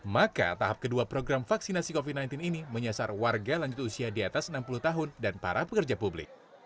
maka tahap kedua program vaksinasi covid sembilan belas ini menyasar warga lanjut usia di atas enam puluh tahun dan para pekerja publik